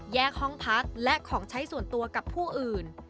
ห้องพักและของใช้ส่วนตัวกับผู้อื่น